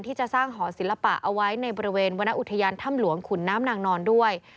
ที่จะสร้างหอศิลปะเอาไว้ในบริเวณวรรณอุทยานถ้ำหลวงขุนน้ำนางนอนด้วย